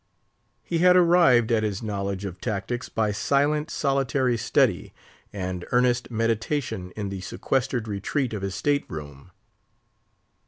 He had arrived at his knowledge of tactics by silent, solitary study, and earnest meditation in the sequestered retreat of his state room.